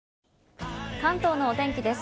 関東のお天気です。